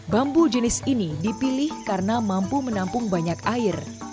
bambu jenis ini dipilih karena mampu menampung banyak air